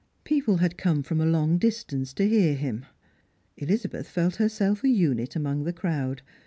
People had come from a long distance to hear him. Elizabeth felt her self a unit among the crowd.